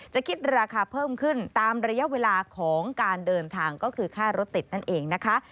คิดราคาเพิ่มขึ้นตามระยะเวลาของการเดินทางก็คือค่ารถติดนั่นเองนะคะ